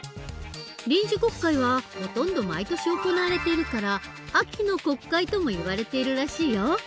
臨時国会はほとんど毎年行われているから「秋の国会」ともいわれているらしいよ。